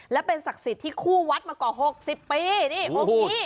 และเป็นศักดิ์สิทธิ์ที่คู่วัดมากว่าหกสิบปีนี่องค์นี้